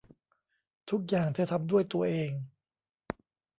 ทุกอย่างเธอทำด้วยตัวเอง